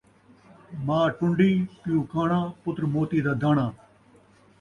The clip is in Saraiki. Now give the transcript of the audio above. ماء ٹن٘ڈی ، پیو کاݨاں ، پتر موتی دا داݨاں